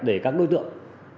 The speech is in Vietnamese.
để các đối tượng